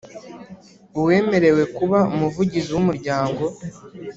Uwemerewe kuba Umuvugizi w Umuryango